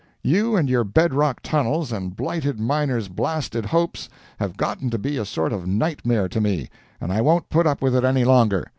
You and your bed rock tunnels, and blighted miners' blasted hopes, have gotten to be a sort of nightmare to me, and I won't put up with it any longer.